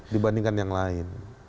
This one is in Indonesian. dibandingkan yang lain